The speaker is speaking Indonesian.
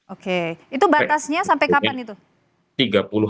oke itu batasnya sampai kapan itu